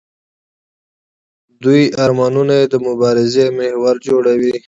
دوی ارمانونه یې د مبارزې محور جوړوي.